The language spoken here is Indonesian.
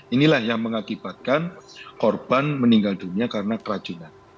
inilah yang mengakibatkan korban meninggal dunia karena keracunan